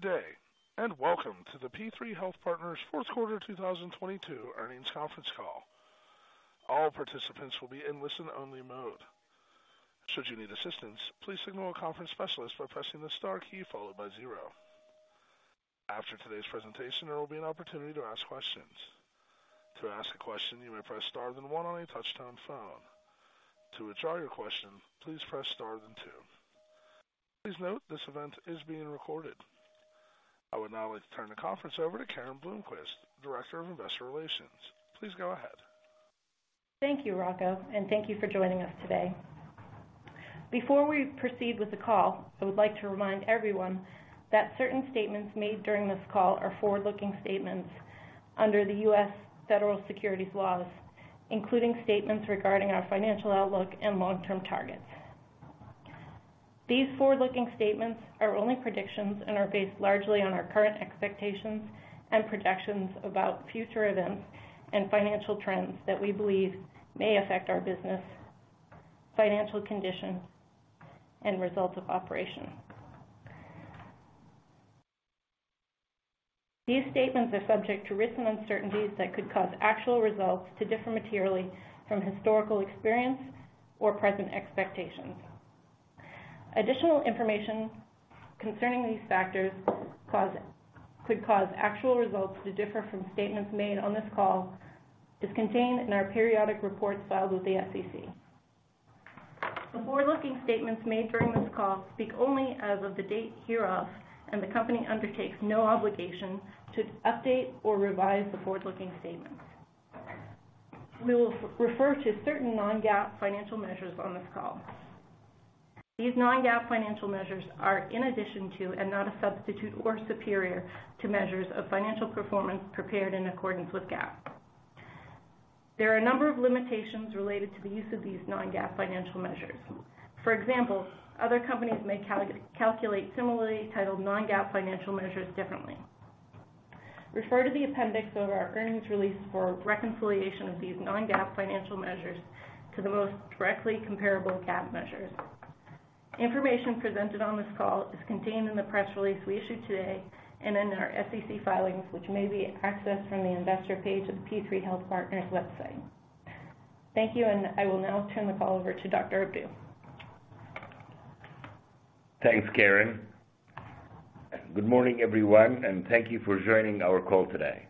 Good day, welcome to the P3 Health Partners fourth quarter 2022 earnings conference call. All participants will be in listen-only mode. Should you need assistance, please signal a conference specialist by pressing the star key followed by 0. After today's presentation, there will be an opportunity to ask questions. To ask a question, you may press star then 1 on your touchtone phone. To withdraw your question, please press star then 2. Please note this event is being recorded. I would now like to turn the conference over to Karen Blomquist, Director of Investor Relations. Please go ahead. Thank you, Rocco. Thank you for joining us today. Before we proceed with the call, I would like to remind everyone that certain statements made during this call are forward-looking statements under the U.S. Federal Securities laws, including statements regarding our financial outlook and long-term targets. These forward-looking statements are only predictions and are based largely on our current expectations and projections about future events and financial trends that we believe may affect our business, financial condition, and results of operation. These statements are subject to risks and uncertainties that could cause actual results to differ materially from historical experience or present expectations. Additional information concerning these factors could cause actual results to differ from statements made on this call is contained in our periodic reports filed with the SEC. The forward-looking statements made during this call speak only as of the date hereof, the company undertakes no obligation to update or revise the forward-looking statements. We will refer to certain non-GAAP financial measures on this call. These non-GAAP financial measures are in addition to and not a substitute or superior to measures of financial performance prepared in accordance with GAAP. There are a number of limitations related to the use of these non-GAAP financial measures. For example, other companies may calculate similarly titled non-GAAP financial measures differently. Refer to the appendix of our earnings release for reconciliation of these non-GAAP financial measures to the most directly comparable GAAP measures. Information presented on this call is contained in the press release we issued today and in our SEC filings, which may be accessed from the investor page of P3 Health Partners website. Thank you, I will now turn the call over to Dr. SherifAbdou. Thanks, Karen Blomquist. Good morning, everyone, thank you for joining our call today.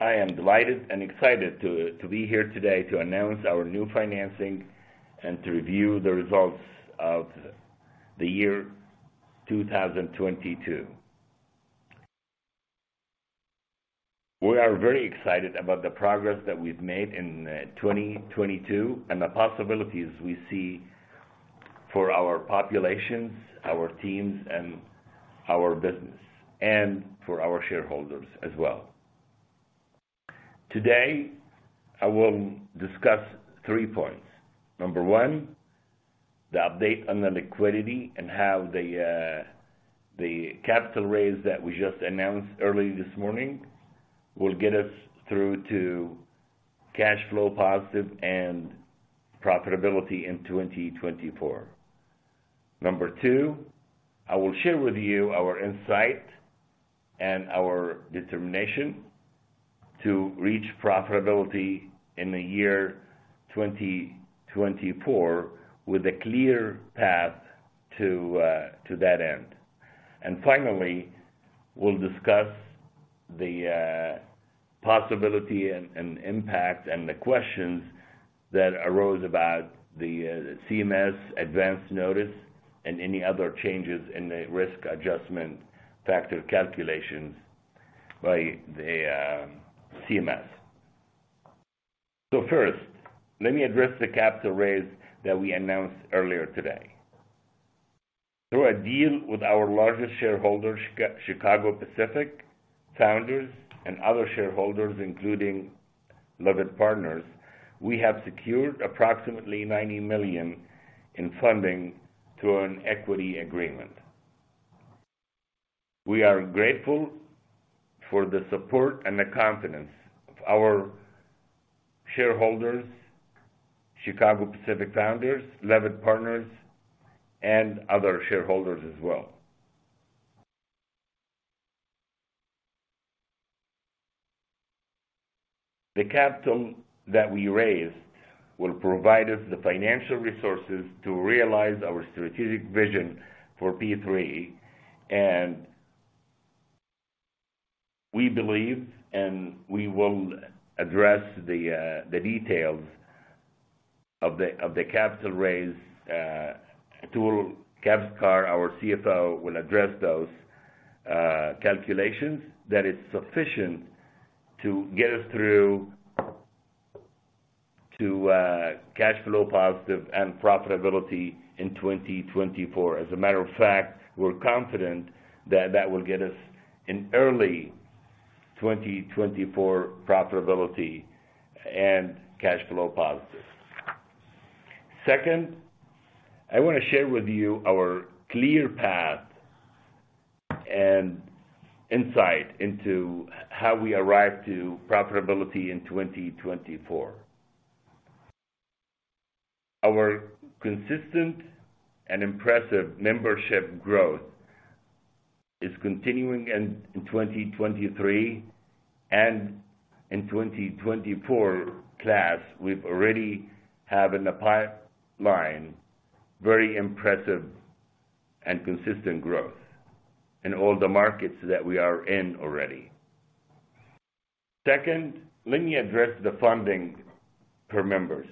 I am delighted and excited to be here today to announce our new financing and to review the results of the year 2022. We are very excited about the progress that we've made in 2022 and the possibilities we see for our populations, our teams and our business, and for our shareholders as well. Today, I will discuss three points. Number one, the update on the liquidity and how the capital raise that we just announced early this morning will get us through to cash flow positive and profitability in 2024. Number two, I will share with you our insight and our determination to reach profitability in the year 2024 with a clear path to that end. Finally, we'll discuss the possibility and impact and the questions that arose about the CMS Advance Notice and any other changes in the risk adjustment factor calculations by the CMS. First, let me address the capital raise that we announced earlier today. Through a deal with our largest shareholder, Chicago Pacific Founders, and other shareholders, including Leavitt Partners, we have secured approximately $90 million in funding through an equity agreement. We are grateful for the support and the confidence of our shareholders, Chicago Pacific Founders, Leavitt Partners, and other shareholders as well. The capital that we raised will provide us the financial resources to realize our strategic vision for P3, and we believe, and we will address the details of the capital raise. Atul Kavthekar, our CFO, will address those calculations that is sufficient to get us through to cash flow positive and profitability in 2024. As a matter of fact, we're confident that that will get us in early 2024 profitability and cash flow positive. Second, I want to share with you our clear path and insight into how we arrive to profitability in 2024. Our consistent and impressive membership growth is continuing in 2023 and in 2024 class, we've already have in the pipeline very impressive and consistent growth in all the markets that we are in already. Second, let me address the funding per members.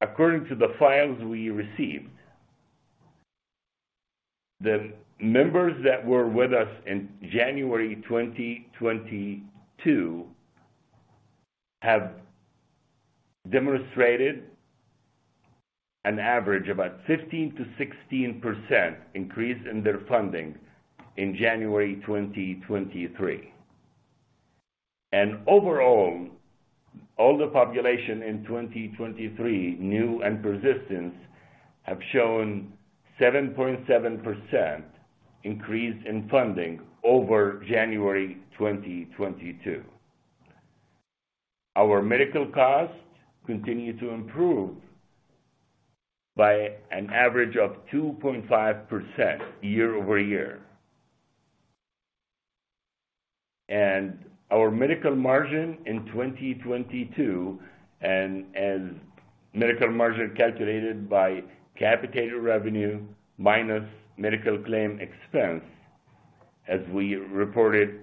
According to the files we received, the members that were with us in January 2022 have demonstrated an average about 15%-16% increase in their funding in January 2023. Overall, all the population in 2023, new and persistence, have shown 7.7% increase in funding over January 2022. Our medical costs continue to improve by an average of 2.5% year-over-year. Our medical margin in 2022, and as medical margin calculated by capitated revenue minus medical claims expenses, as we reported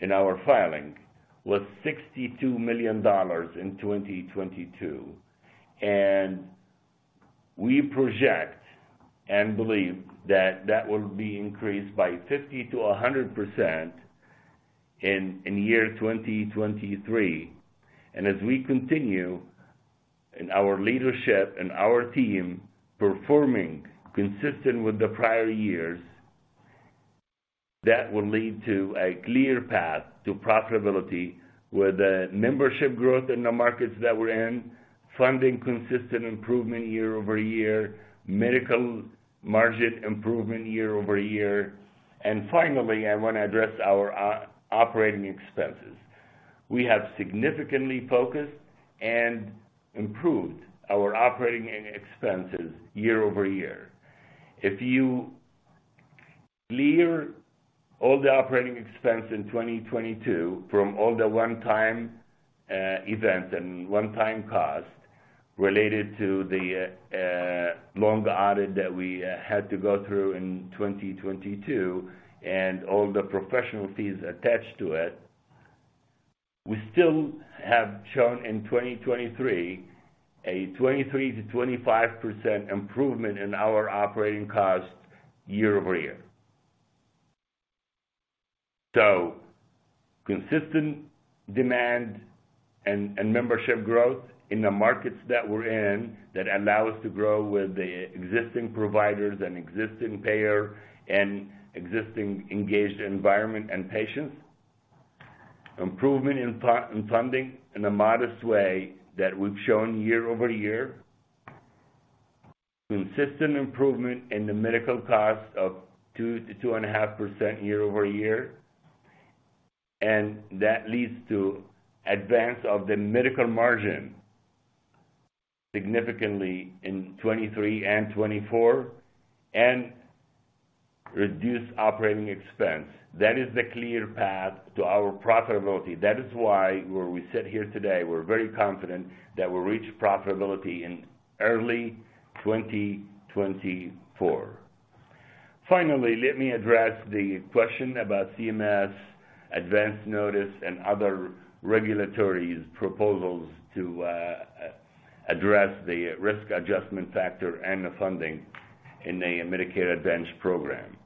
in our filing, was $62 million in 2022. We project and believe that that will be increased by 50%-100% in the year 2023. As we continue in our leadership and our team performing consistent with the prior years, that will lead to a clear path to profitability with the membership growth in the markets that we're in, funding consistent improvement year-over-year, medical margin improvement year-over-year. Finally, I want to address our operating expenses. We have significantly focused and improved our operating expenses year-over-year. If you clear all the operating expense in 2022 from all the one-time events and one-time costs related to the long audit that we had to go through in 2022 and all the professional fees attached to it, we still have shown in 2023 a 23%-25% improvement in our operating costs year-over-year. Consistent demand and membership growth in the markets that we're in that allow us to grow with the existing providers and existing payer and existing engaged environment and patients. Improvement in funding in a modest way that we've shown year over year. Consistent improvement in the medical costs of 2% to 2.5% year over year. That leads to advance of the medical margin significantly in 2023 and 2024, and reduce operating expense. That is the clear path to our profitability. That is why where we sit here today, we're very confident that we'll reach profitability in early 2024. Finally, let me address the question about CMS Advance Notice and other regulatory proposals to address the risk adjustment factor and the funding in a Medicare Advantage program.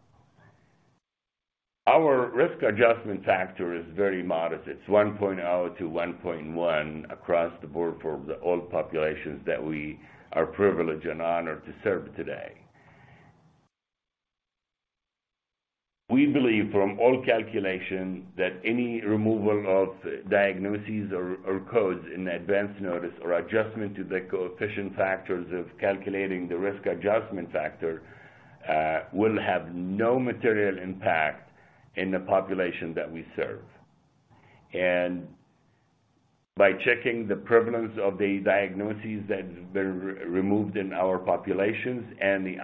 Our risk adjustment factor is very modest. It's 1.0 to 1.1 across the board for the all populations that we are privileged and honored to serve today. We believe from all calculation that any removal of diagnoses or codes in advanced notice or adjustment to the coefficient factors of calculating the risk adjustment factor will have no material impact in the population that we serve. By checking the prevalence of the diagnoses that have been re-removed in our populations and the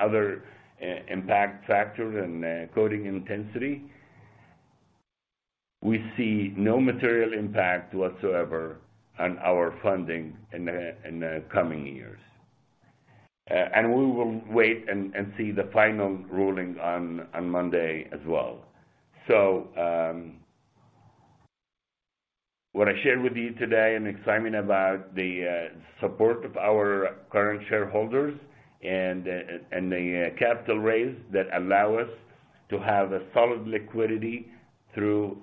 other impact factors and coding intensity, we see no material impact whatsoever on our funding in the coming years. We will wait and see the final ruling on Monday as well. What I shared with you today, I'm excited about the support of our current shareholders and the capital raise that allow us to have a solid liquidity through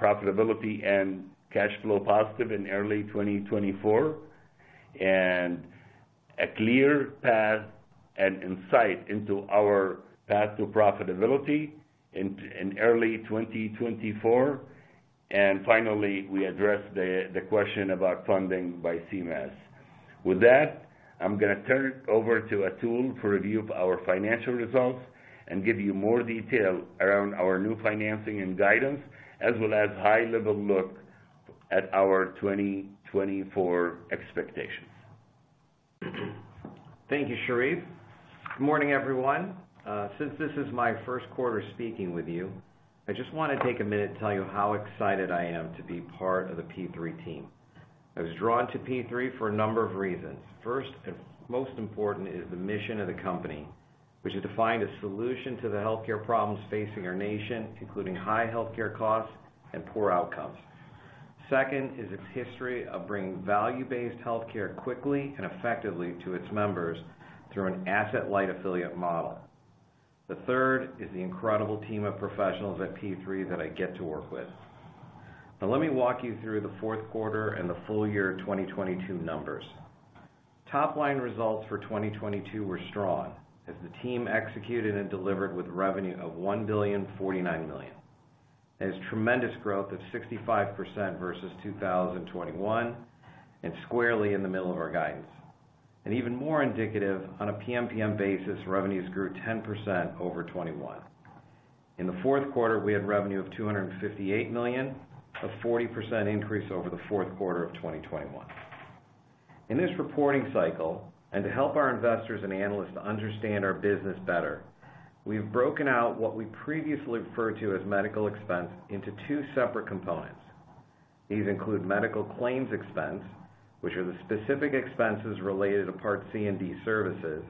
profitability and cash flow positive in early 2024, and a clear path and insight into our path to profitability in early 2024. Finally, we addressed the question about funding by CMS. With that, I'm going to turn it over to Atul Kavthekar for review of our financial results and give you more detail around our new financing and guidance, as well as high-level look at our 2024 expectations. Thank you, Sherif Abdou. Good morning, everyone. Since this is my first quarter speaking with you, I just want to take a minute to tell you how excited I am to be part of the P3 team. I was drawn to P3 for a number of reasons. First, and most important, is the mission of the company, which is to find a solution to the healthcare problems facing our nation, including high healthcare costs and poor outcomes. Second is its history of bringing value-based healthcare quickly and effectively to its members through an asset-light affiliate model. The third is the incredible team of professionals at P3 that I get to work with. Let me walk you through the fourth quarter and the full year 2022 numbers. Top line results for 2022 were strong as the team executed and delivered with revenue of $1.049 billion. That is tremendous growth of 65% versus 2021, squarely in the middle of our guidance. Even more indicative, on a PMPM basis, revenues grew 10% over 2021. In the fourth quarter, we had revenue of $258 million, a 40% increase over the fourth quarter of 2021. In this reporting cycle, to help our investors and analysts to understand our business better, we've broken out what we previously referred to as medical expense into two separate components. These include medical claims expense, which are the specific expenses related to Part C and D services,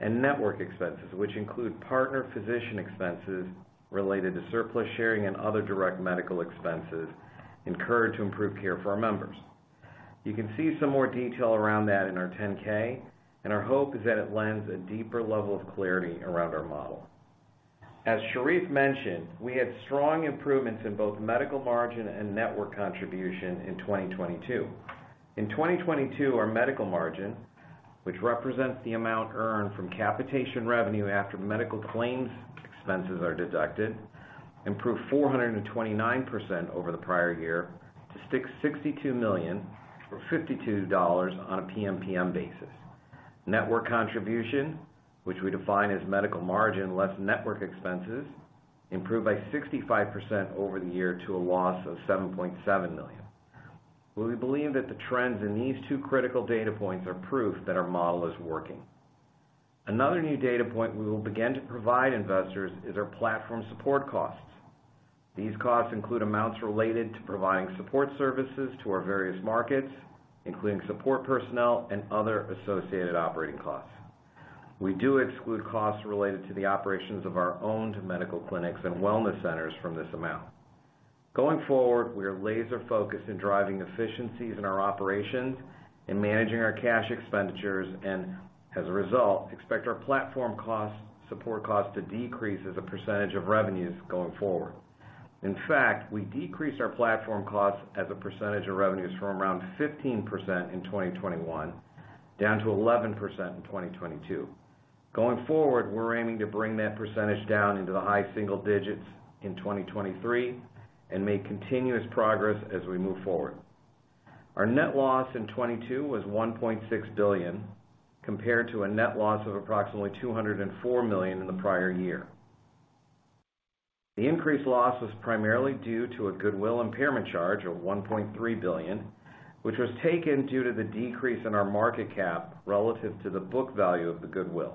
and network expenses, which include partner physician expenses related to surplus sharing and other direct medical expenses incurred to improve care for our members. You can see some more detail around that in our 10-K. Our hope is that it lends a deeper level of clarity around our model. As Sherif Abdou mentioned, we had strong improvements in both medical margin and network contribution in 2022. In 2022, our medical margin, which represents the amount earned from capitation revenue after medical claims expenses are deducted, improved 429% over the prior year to $62 million or $52 on a PMPM basis. Network contribution, which we define as medical margin less network expenses, improved by 65% over the year to a loss of $7.7 million. Well, we believe that the trends in these two critical data points are proof that our model is working. Another new data point we will begin to provide investors is our platform support costs. These costs include amounts related to providing support services to our various markets, including support personnel and other associated operating costs. We do exclude costs related to the operations of our owned medical clinics and wellness centers from this amount. Going forward, we are laser-focused in driving efficiencies in our operations and managing our cash expenditures, and as a result, expect our platform costs, support costs to decrease as a percentage of revenues going forward. In fact, we decreased our platform costs as a percentage of revenues from around 15% in 2021 down to 11% in 2022. Going forward, we're aiming to bring that percentage down into the high single digits in 2023 and make continuous progress as we move forward. Our net loss in 2022 was $1.6 billion, compared to a net loss of approximately $204 million in the prior year. The increased loss was primarily due to a goodwill impairment charge of $1.3 billion, which was taken due to the decrease in our market cap relative to the book value of the goodwill.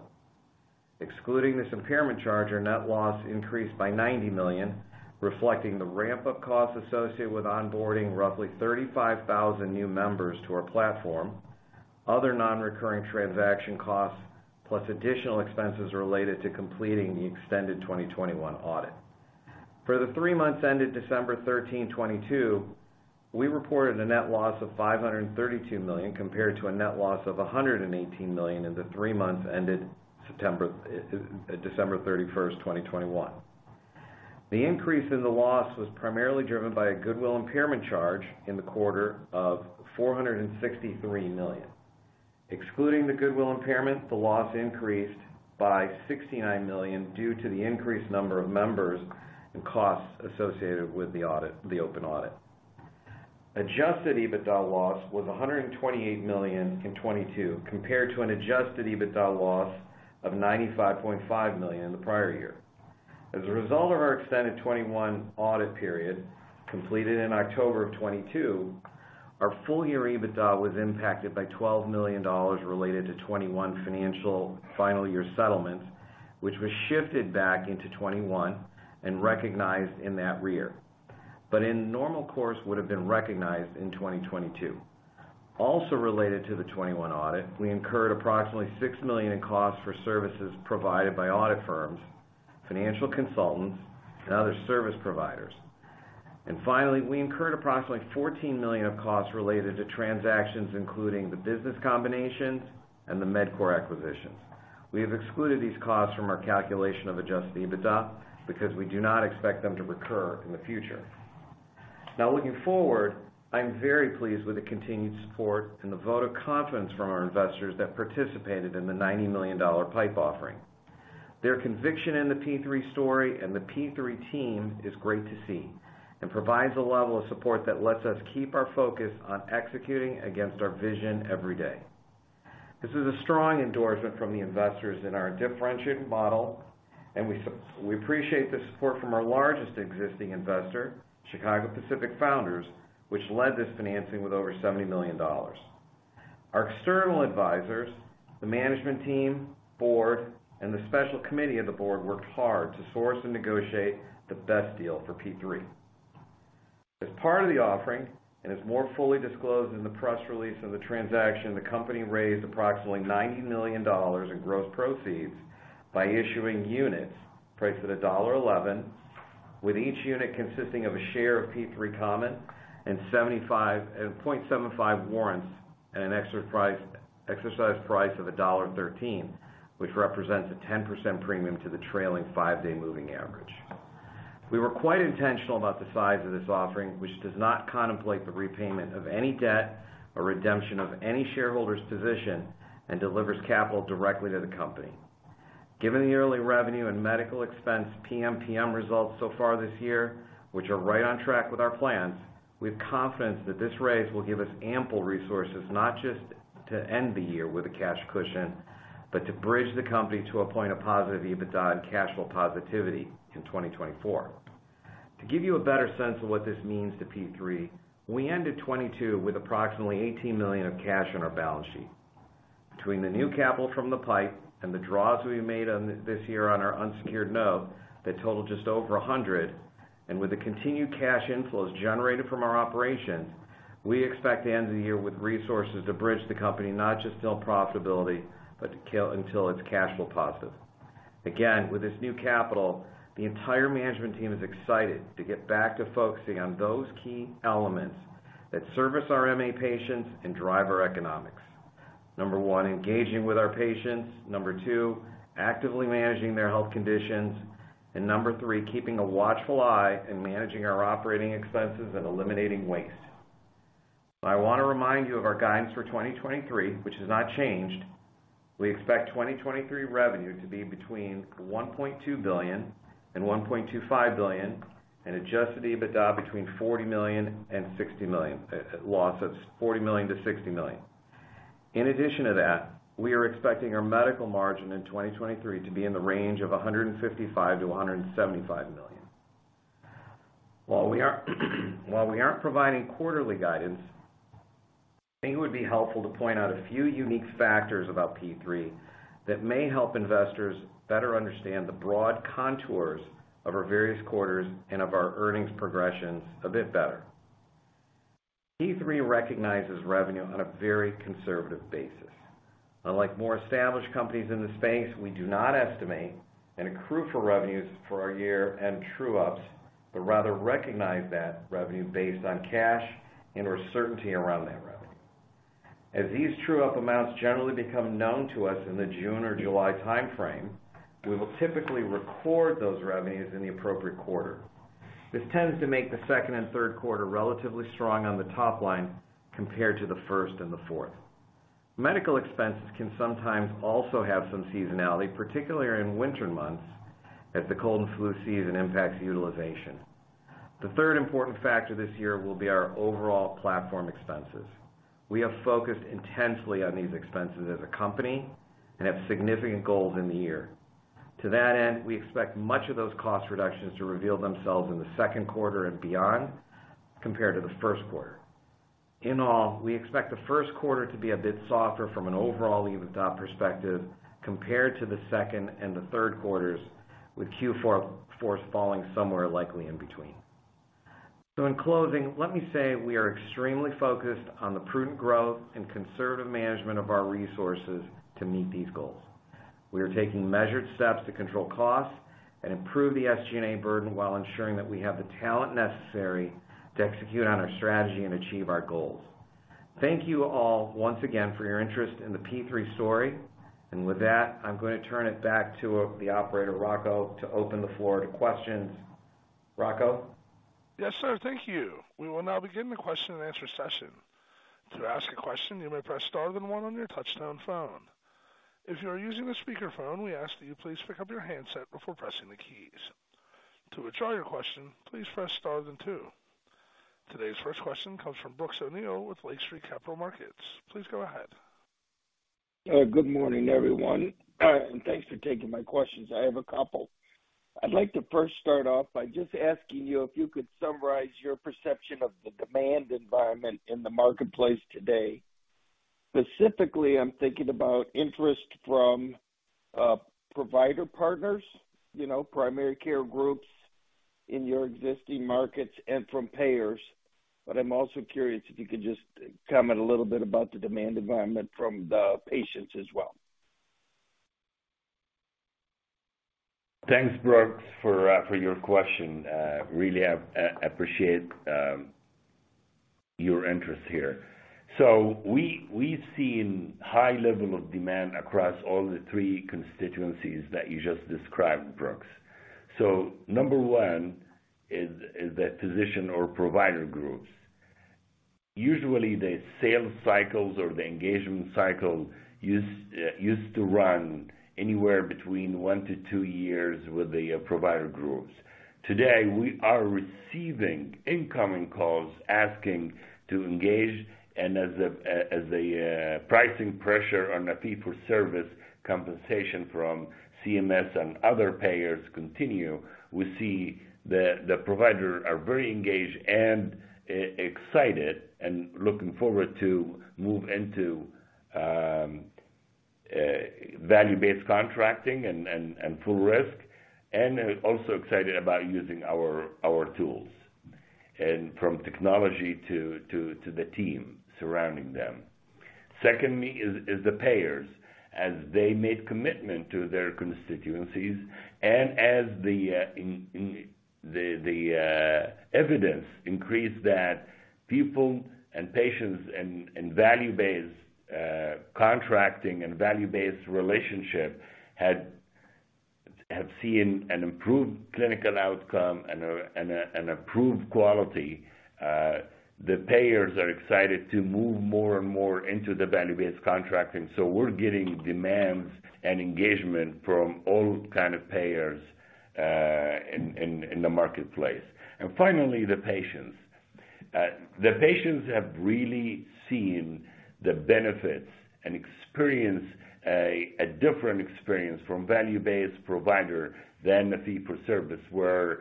Excluding this impairment charge, our net loss increased by $90 million, reflecting the ramp-up costs associated with onboarding roughly 35,000 new members to our platform, other non-recurring transaction costs, plus additional expenses related to completing the extended 2021 audit. For the three months ended December 13, 2022, we reported a net loss of $532 million compared to a net loss of $118 million in the three months ended December 31, 2021. The increase in the loss was primarily driven by a goodwill impairment charge in the quarter of $463 million. Excluding the goodwill impairment, the loss increased by $69 million due to the increased number of members and costs associated with the audit, the open audit. Adjusted EBITDA loss was $128 million in 2022, compared to an adjusted EBITDA loss of $95.5 million in the prior year. As a result of our extended 2021 audit period, completed in October of 2022, our full year EBITDA was impacted by $12 million related to 2021 financial final year settlements, which was shifted back into 2021 and recognized in that year, but in normal course, would have been recognized in 2022. Related to the 2021 audit, we incurred approximately $6 million in costs for services provided by audit firms, financial consultants, and other service providers. Finally, we incurred approximately $14 million of costs related to transactions, including the business combinations and the Medcore acquisitions. We have excluded these costs from our calculation of adjusted EBITDA because we do not expect them to recur in the future. Looking forward, I'm very pleased with the continued support and the vote of confidence from our investors that participated in the $90 million PIPE offering. Their conviction in the P3 story and the P3 team is great to see and provides a level of support that lets us keep our focus on executing against our vision every day. This is a strong endorsement from the investors in our differentiated model, and we appreciate the support from our largest existing investor, Chicago Pacific Founders, which led this financing with over $70 million. Our external advisors, the management team, board, and the special committee of the board worked hard to source and negotiate the best deal for P3. As part of the offering, and as more fully disclosed in the press release of the transaction, the company raised approximately $90 million in gross proceeds by issuing units priced at $1.11, with each unit consisting of a share of P3 common and 0.75 warrants at an exercise price of $1.13, which represents a 10% premium to the trailing five-day moving average. We were quite intentional about the size of this offering, which does not contemplate the repayment of any debt or redemption of any shareholder's position and delivers capital directly to the company. Given the yearly revenue and medical expense PMPM results so far this year, which are right on track with our plans, we have confidence that this raise will give us ample resources, not just to end the year with a cash cushion, but to bridge the company to a point of positive EBITDA and cash flow positivity in 2024. To give you a better sense of what this means to P3, we ended 2022 with approximately $18 million of cash on our balance sheet. Between the new capital from the PIPE and the draws we made on this year on our unsecured note that totaled just over $100, and with the continued cash inflows generated from our operations, we expect to end the year with resources to bridge the company not just till profitability, but until it's cash flow positive. Again, with this new capital, the entire management team is excited to get back to focusing on those key elements that service our MA patients and drive our economics. Number one, engaging with our patients. Number two, actively managing their health conditions. Number three, keeping a watchful eye in managing our operating expenses and eliminating waste. I want to remind you of our guidance for 2023, which has not changed. We expect 2023 revenue to be between $1.2 billion and $1.25 billion, and adjusted EBITDA between $40 million and $60 million, a loss of $40 million to $60 million. In addition to that, we are expecting our medical margin in 2023 to be in the range of $155 million to $175 million. While we aren't providing quarterly guidance, I think it would be helpful to point out a few unique factors about P3 that may help investors better understand the broad contours of our various quarters and of our earnings progressions a bit better. P3 recognizes revenue on a very conservative basis. Unlike more established companies in the space, we do not estimate and accrue for revenues for our year-end true-ups, but rather recognize that revenue based on cash and/or certainty around that revenue. As these true-up amounts generally become known to us in the June or July timeframe, we will typically record those revenues in the appropriate quarter. This tends to make the second and third quarter relatively strong on the top line compared to the first and the fourth. Medical expenses can sometimes also have some seasonality, particularly in winter months, as the cold and flu season impacts utilization. The third important factor this year will be our overall platform expenses. We have focused intensely on these expenses as a company and have significant goals in the year. To that end, we expect much of those cost reductions to reveal themselves in the second quarter and beyond, compared to the first quarter. In all, we expect the first quarter to be a bit softer from an overall EBITDA perspective compared to the second and the third quarters, with Q4s falling somewhere likely in between. In closing, let me say we are extremely focused on the prudent growth and conservative management of our resources to meet these goals. We are taking measured steps to control costs and improve the SG&A burden while ensuring that we have the talent necessary to execute on our strategy and achieve our goals. Thank you all once again for your interest in the P3 story. With that, I'm going to turn it back to the operator, Rocco, to open the floor to questions. Rocco? Yes, sir. Thank you. We will now begin the question and answer session. To ask a question, you may press star then one on your touchtone phone. If you are using a speakerphone, we ask that you please pick up your handset before pressing the keys. To withdraw your question, please press star then two. Today's first question comes from Brooks O'Neil with Lake Street Capital Markets. Please go ahead. Good morning, everyone, and thanks for taking my questions. I have a couple. I'd like to first start off by just asking you if you could summarize your perception of the demand environment in the marketplace today? Specifically, I'm thinking about interest from provider partners primary care groups in your existing markets and from payers. I'm also curious if you could just comment a little bit about the demand environment from the patients as well. Thanks, Brooks O'Neil, for your question. Really appreciate your interest here. We've seen high level of demand across all the 3 constituencies that you just described, Brooks O'Neil. Number one is the physician or provider groups. Usually the sales cycles or the engagement cycle used to run anywhere between 1 to 2 years with the provider groups. Today, we are receiving incoming calls asking to engage, and as the pricing pressure on a fee-for-service compensation from CMS and other payers continue, we see the provider are very engaged and excited and looking forward to move into value-based contracting and full risk, and are also excited about using our tools, and from technology to the team surrounding them. Secondly is the payers. As they made commitment to their constituencies and as the in the evidence increased that people and patients and value-based contracting and value-based relationship have seen an improved clinical outcome and an improved quality, the payers are excited to move more and more into the value-based contracting. We're getting demands and engagement from all kind of payers in the marketplace. Finally, the patients. The patients have really seen the benefits and experience a different experience from value-based provider than a fee-for-service, where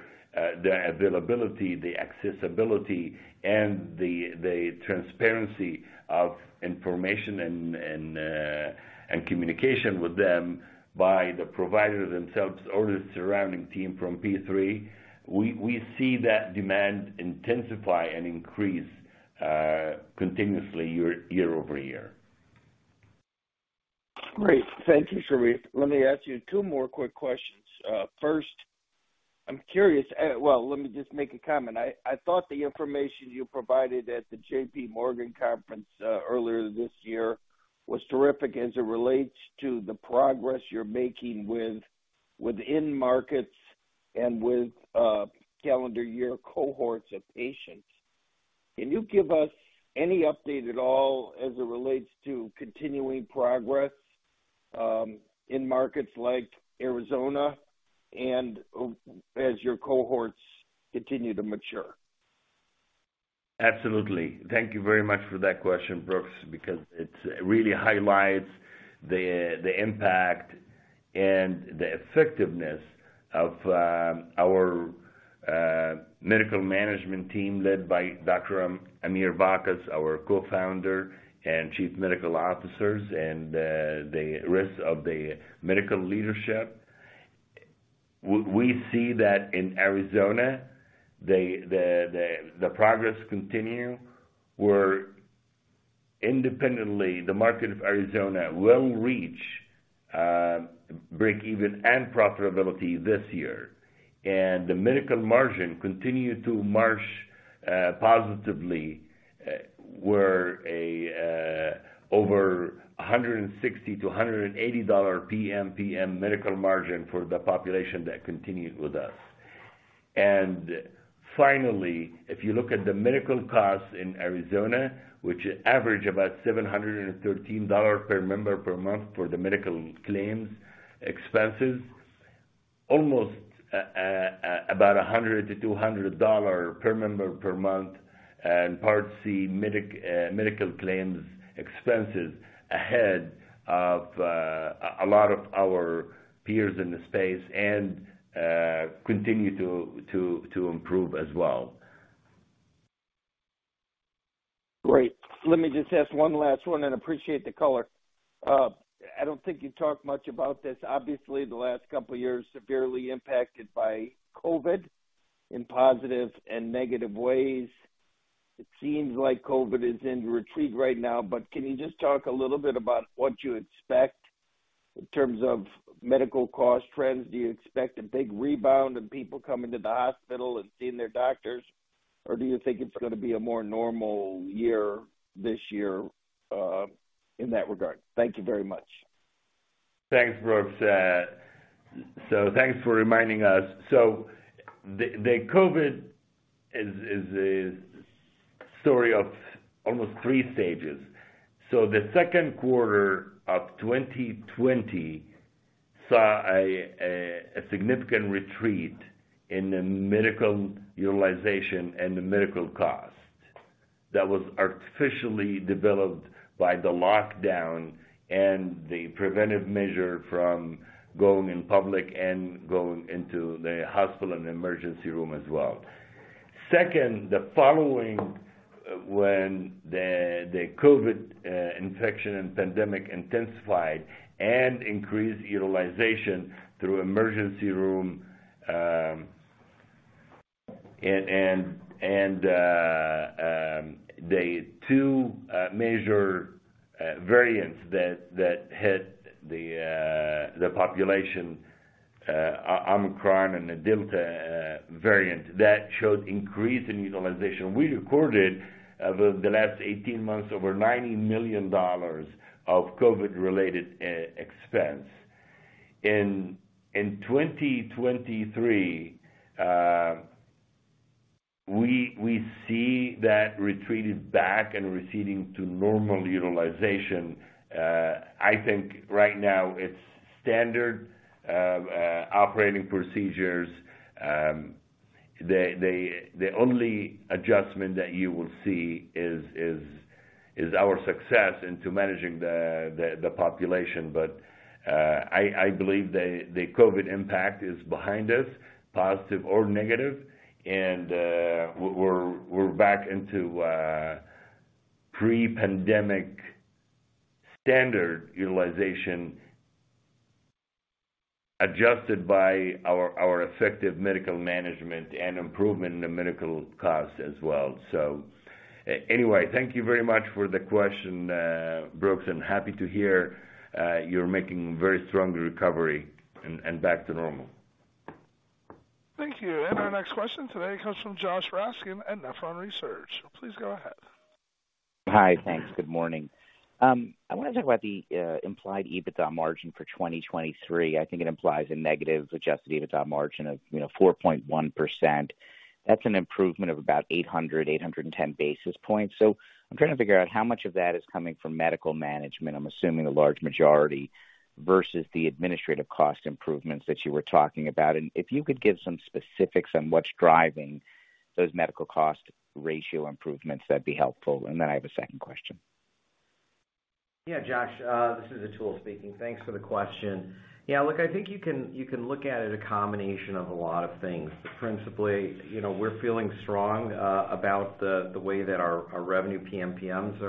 the availability, the accessibility, and the transparency of information and communication with them by the providers themselves or the surrounding team from P3, we see that demand intensify and increase continuously year-over-year. Great. Thank you, Sherif Abdou. Let me ask you two more quick questions. First, I'm curious. Let me just make a comment. I thought the information you provided at the JP Morgan conference earlier this year was terrific as it relates to the progress you're making within markets and with calendar year cohorts of patients. Can you give us any update at all as it relates to continuing progress in markets like Arizona and as your cohorts continue to mature? Absolutely. Thank you very much for that question, Brooks O'Neil, because it really highlights the impact and the effectiveness of our medical management team, led by Dr. Amir Bacchus, our Co-Founder and Chief Medical Officers, and the rest of the medical leadership. We see that in Arizona, the progress continue, where independently, the market of Arizona will reach breakeven and profitability this year. The medical margin continue to march positively, where over $160-$180 PMPM medical margin for the population that continued with us. Finally, if you look at the medical costs in Arizona, which average about $713 per member per month for the medical claims expenses, almost $100-$200 per member per month and Part C medical claims expenses ahead of a lot of our peers in the space and continue to improve as well. Great. Let me just ask one last one and appreciate the call. I don't think you talked much about this. Obviously, the last couple of years severely impacted by COVID in positive and negative ways. It seems like COVID is in retreat right now, can you just talk a little bit about what you expect in terms of medical cost trends? Do you expect a big rebound in people coming to the hospital and seeing their doctors? Do you think it's gonna be a more normal year this year in that regard? Thank you very much. Thanks, Brooks O'Neil. Thanks for reminding us. The COVID is a story of almost three stages. The second quarter of 2020 saw a significant retreat in the medical utilization and the medical cost that was artificially developed by the lockdown and the preventive measure from going in public and going into the hospital and emergency room as well. Second, the following when the COVID infection and pandemic intensified and increased utilization through emergency room, and the two major variants that hit the population, Omicron and the Delta variant, that showed increase in utilization. We recorded over the last 18 months over $90 million of COVID-related expense. In 2023, we see that retreated back and receding to normal utilization. I think right now it's standard operating procedures. The only adjustment that you will see is our success into managing the population. I believe the COVID impact is behind us, positive or negative. We're back into pre-pandemic standard utilization adjusted by our effective medical management and improvement in the medical costs as well. Anyway, thank you very much for the question, Brooks O'Neil, and happy to hear you're making very strong recovery and back to normal. Thank you. Our next question today comes from Josh Raskin at Nephron Research. Please go ahead. Hi. Thanks. Good morning. I want to talk about the implied EBITDA margin for 2023. I think it implies a negative adjusted EBITDA margin of, you know, 4.1%. That's an improvement of about 810 basis points. I'm trying to figure out how much of that is coming from medical management, I'm assuming a large majority, versus the administrative cost improvements that you were talking about. If you could give some specifics on what's driving those medical cost ratio improvements, that'd be helpful. Then I have a second question. Josh, this is Atul Kavthekar speaking. Thanks for the question. Look, I think you can look at it a combination of a lot of things. Principally, you know, we're feeling strong about the way that our revenue PMPMs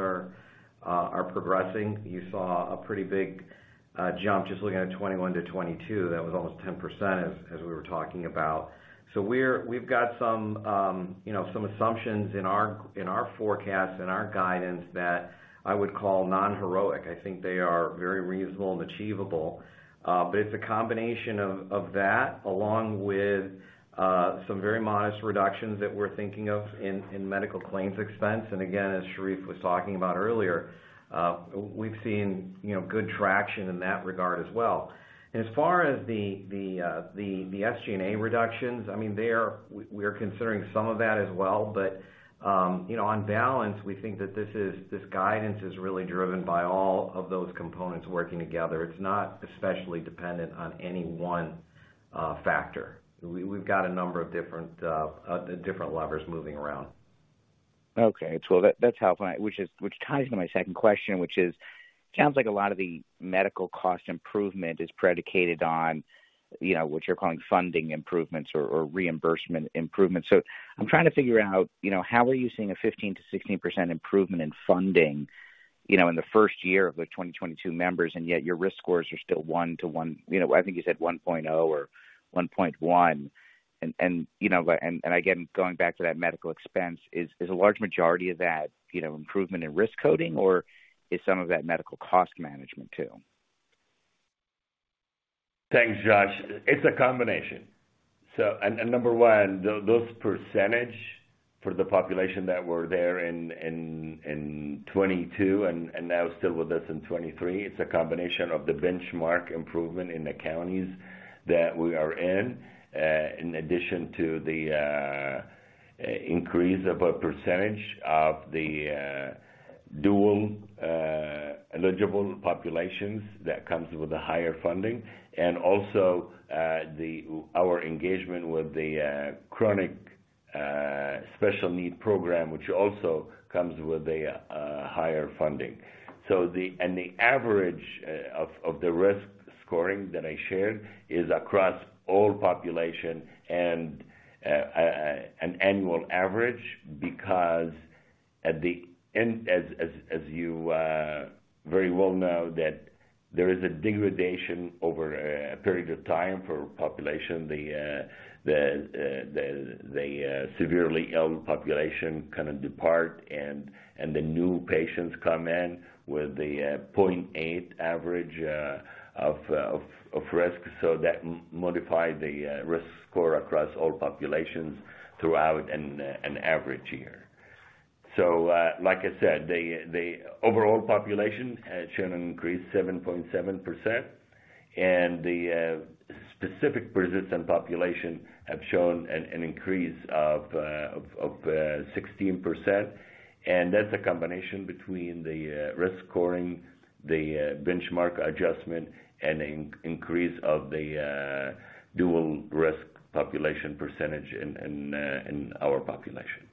are progressing. You saw a pretty big jump just looking at 2021 to 2022. That was almost 10%, as we were talking about. We've got some assumptions in our forecast and our guidance that I would call non-heroic. I think they are very reasonable and achievable. It's a combination of that along with some very modest reductions that we're thinking of in medical claims expense. Again, as Sherif was talking about earlier, we've seen good traction in that regard as well. As far as the SG&A reductions, we're considering some of that as well. On balance, we think that this guidance is really driven by all of those components working together. It's not especially dependent on any one factor. We've got a number of different levers moving around. Okay. That helpful. Which ties into my second question, which is, sounds like a lot of the medical cost improvement is predicated on what you're calling funding improvements or reimbursement improvements. I'm trying to figure out how are you seeing a 15%-16% improvement in funding, in the first year of the 2022 members, and yet your risk scores are still 1.1, I think you said 1.0 or 1.1? Again, going back to that medical expense, is a large majority of that improvement in risk coding, or is some of that medical cost management too? Thanks, Josh Raskin. It's a combination. Number one, those percentage for the population that were there in 2022 and now still with us in 2023, it's a combination of the benchmark improvement in the counties that we are in addition to the increase of a percentage of the dual eligible populations that comes with a higher funding. Also, our engagement with the Chronic Special Needs Program, which also comes with a higher funding. And the average of the risk scoring that I shared is across all population and an annual average because at the end, as you very well know, that there is a degradation over a period of time for population. The severely ill population kinda depart and the new patients come in with the 0.8 average of risk. That modify the risk score across all populations throughout an average year. Like I said, the overall population has shown an increase 7.7%, and the specific persistent population have shown an increase of 16%. That's a combination between the risk scoring, the benchmark adjustment and increase of the dual risk population percentage in our population.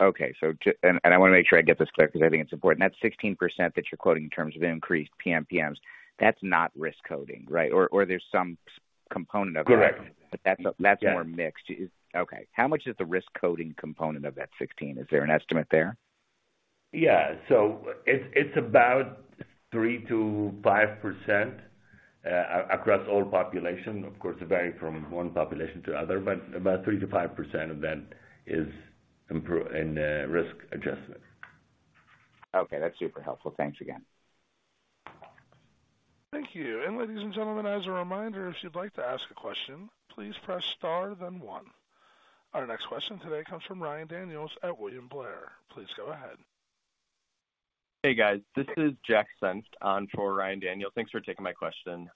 Okay. I want to make sure I get this clear because I think it's important. That 16% that you're quoting in terms of increased PMPMs, that's not risk coding, or there's some component of that? Correct. That's more mixed. Okay. How much is the risk coding component of that 16? Is there an estimate there? Yeah. It's about 3%-5% across all population. Of course, it vary from one population to other, but about 3%-5% of that is in risk adjustment. Okay. That's super helpful. Thanks again. Thank you. Ladies and gentlemen, as a reminder, if you'd like to ask a question, please press star then one. Our next question today comes from Ryan Daniels at William Blair. Please go ahead. Hey guys, this is Jack Senft on for Ryan Daniels. Thanks for taking my question.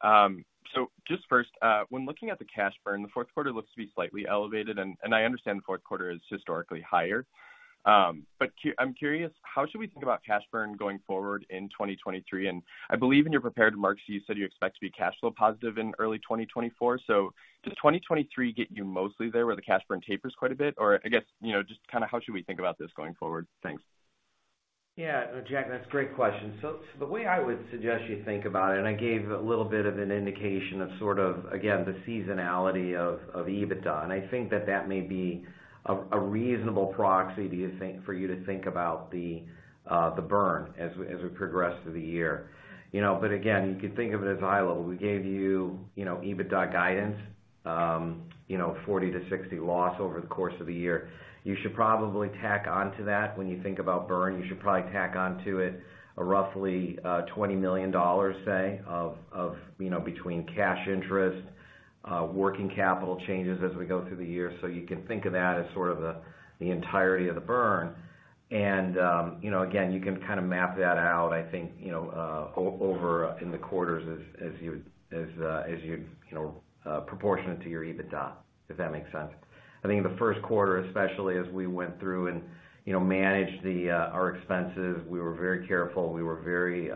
Just first, when looking at the cash burn, the fourth quarter looks to be slightly elevated and I understand the fourth quarter is historically higher. I'm curious, how should we think about cash burn going forward in 2023? I believe in your prepared remarks, you said you expect to be cash flow positive in early 2024. Does 2023 get you mostly there where the cash burn tapers quite a bit? I guess, you know, just kinda how should we think about this going forward? Thanks. Yeah. Jack Senft, that's a great question. The way I would suggest you think about it, I gave a little bit of an indication of again, the seasonality of EBITDA. I think that that may be a reasonable proxy for you to think about the burn as we progress through the year. Again, you can think of it as high level. We gave you know, EBITDA guidance, you know, $40 million-$60 million loss over the course of the year. You should probably tack on to that. When you think about burn, you should probably tack on to it a roughly $20 million, say of between cash interest, working capital changes as we go through the year. You can think of that as sort of the entirety of the burn. Again, you can map that out, I think over in the quarters as you, as you'd, proportionate to your EBITDA, if that makes sense. I think in the first quarter, especially as we went through and managed the, our expenses, we were very careful. We were very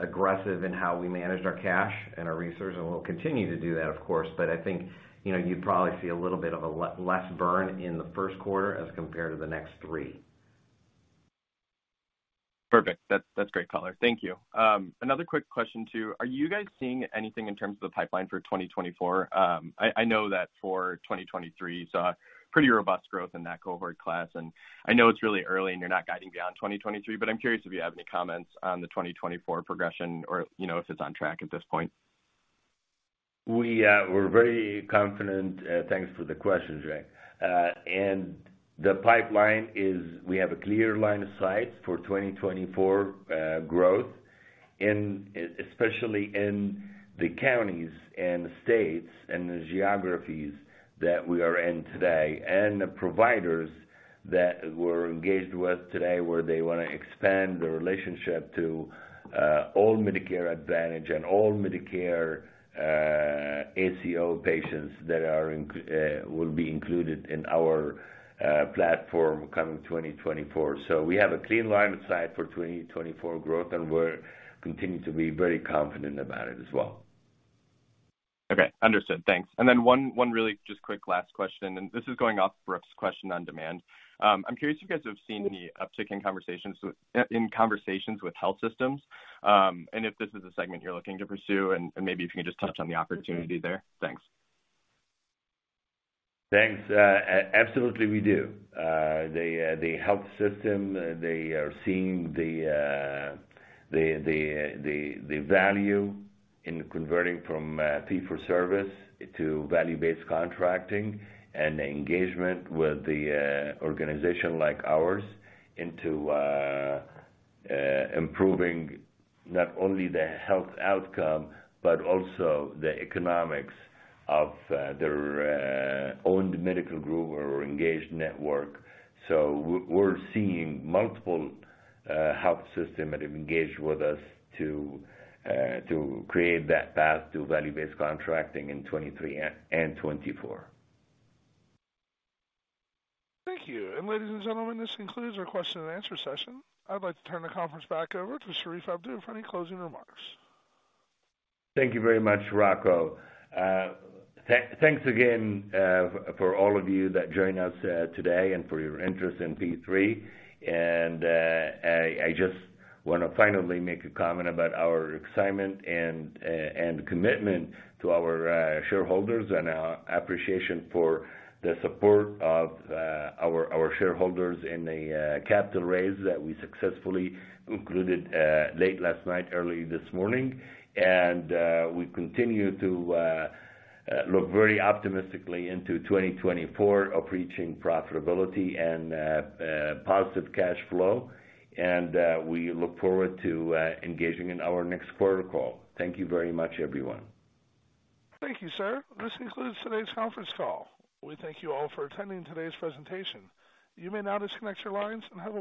aggressive in how we managed our cash and our resources, and we'll continue to do that of course. I think, you'd probably see a little bit of a less burn in the first quarter as compared to the next three. Perfect. That's great call. Thank you. Another quick question too. Are you guys seeing anything in terms of the pipeline for 2024? I know that for 2023, saw pretty robust growth in that cohort class, and I know it's really early and you're not guiding beyond 2023, but I'm curious if you have any comments on the 2024 progression or if it's on track at this point. We're very confident. Thanks for the question, Jack Senft. The pipeline is we have a clear line of sight for 2024 growth especially in the counties and the states and the geographies that we are in today, and the providers that we're engaged with today, where they want to expand the relationship to all Medicare Advantage and all Medicare ACO patients that will be included in our platform coming 2024. We have a clear line of sight for 2024 growth, and we're continuing to be very confident about it as well. Okay. Understood. Thanks. One really just quick last question, and this is going off Brooks O'Neil's question on demand. I'm curious if you guys have seen any uptick in conversations with health systems, and if this is a segment you're looking to pursue and maybe if you can just touch on the opportunity there. Thanks. Thanks. Absolutely we do. The health system, they are seeing the value in converting from fee-for-service to value-based contracting and engagement with the organization like ours into improving not only the health outcome but also the economics of their owned medical group or engaged network. We're seeing multiple health system that have engaged with us to create that path to value-based contracting in 2023 and 2024. Thank you. Ladies and gentlemen, this concludes our question and answer session. I'd like to turn the conference back over to Sherif Abdou for any closing remarks. Thank you very much, Rocco. Thanks again, for all of you that joined us today and for your interest in P3. I just want to finally make a comment about our excitement and commitment to our shareholders and our appreciation for the support of our shareholders in the capital raise that we successfully concluded late last night, early this morning. We continue to look very optimistically into 2024 of reaching profitability and positive cash flow. We look forward to engaging in our next quarter call. Thank you very much, everyone. Thank you, sir. This concludes today's conference call. We thank you all for attending today's presentation. You may now disconnect your lines and have a great day.